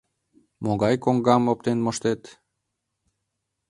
— Могай коҥгам оптен моштет?